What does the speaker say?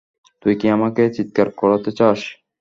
তুই কি আমাকে চিৎকার করাতে চাস?